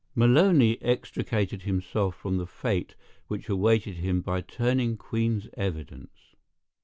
Maloney extricated himself from the fate which awaited him by turning Queen's evidence.